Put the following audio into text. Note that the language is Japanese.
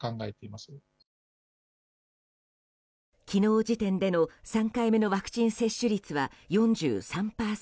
昨日時点での３回目のワクチン接種率は４３％。